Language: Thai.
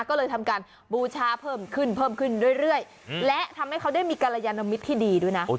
ก็เลยทำการบูชาเพิ่มขึ้นเพิ่มขึ้นเรื่อยและทำให้เขาได้มีกรยานมิตรที่ดีด้วยนะ